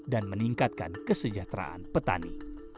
dan meningkatkan kesejahteraan petani